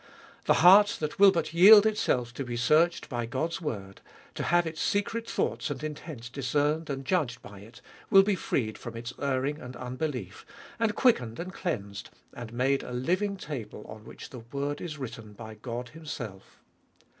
The heart that will but yield itself to be searched by God's word, to have its secret thoughts and intents discerned and judged by it, will be freed from its erring and unbelief, and quickened and cleansed, and made a living table on which the word is written by God Himself.